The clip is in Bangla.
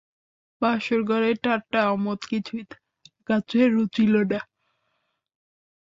বাসরঘরের ঠাট্টা আমোদ কিছুই তাঁহার কাছে রুচিল না।